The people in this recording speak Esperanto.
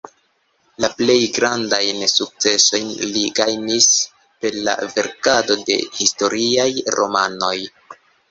La plej grandajn sukcesojn li gajnis per la verkado de historiaj romanoj.